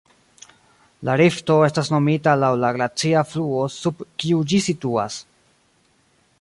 La rifto estas nomita laŭ la glacia fluo sub kiu ĝi situas.